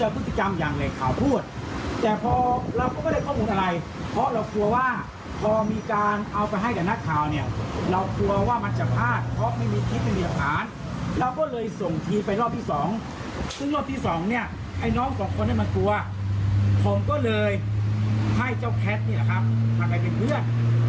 ผมก็เลยให้เจ้าแคทนี่แหละครับพาไปเป็นเพื่อน